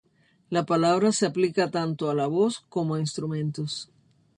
La palabra se aplica tanto a la voz como a instrumentos.